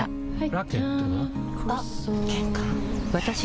ラケットは？